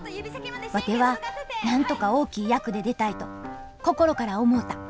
ワテはなんとか大きい役で出たいと心から思うた！